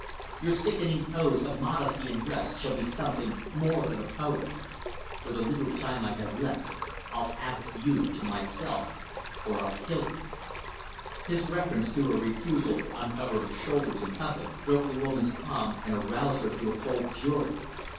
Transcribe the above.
Your sickening pose of modesty in dress shall be something more than a pose. For the little time I have left, I'll have you to myself or I'll kill you." His reference to her refusal to uncover her shoulders in public broke the woman's calm and aroused her to a cold fury.